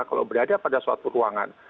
kalau berada pada suatu ruangan